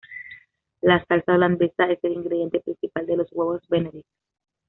La salsa holandesa es el ingrediente principal de los huevos Benedict.